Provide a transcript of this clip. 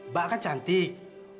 mbak kan cantik